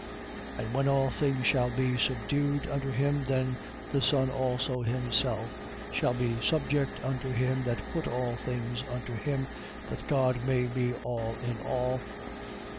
15:28. And when all things shall be subdued unto him, then the Son also himself shall be subject unto him that put all things under him, that God may be all in all.